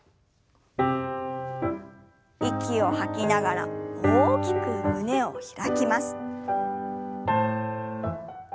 息を吐きながら大きく胸を開きます。